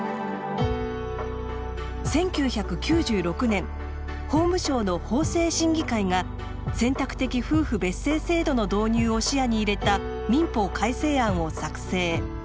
１９９６年法務省の法制審議会が選択的夫婦別姓制度の導入を視野に入れた民法改正案を作成。